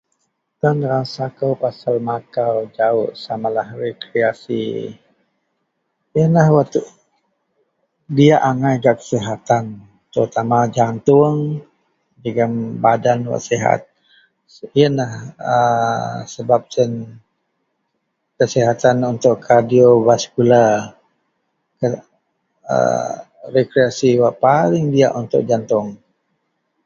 Tan rasa kou pasel makau jawok samalah rekreasi, ienlah wak, diyak angai gak kesihatan terutama jatung jegum badan wak sihat. Iyenlah a sebab siyen kasihatan untuk kardiovaskular a rekreasi a wak paling duyak bak jatung.